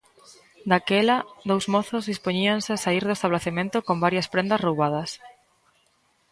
Daquela, dous mozos dispoñíanse a saír do establecemento con varias prendas roubadas.